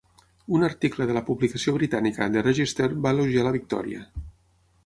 Un article de la publicació britànica The Register va elogiar la victòria.